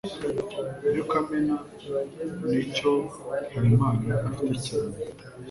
Iyo kamera nicyo Habimana afite cyane.